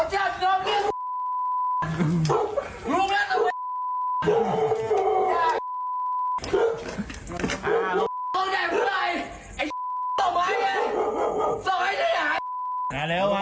หลายต่อมาไง